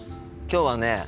今日はね